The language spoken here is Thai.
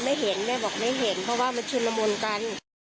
เห็นแม่บอกไม่เห็นเพราะว่ามันชุนละมุนกัน